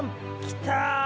来た！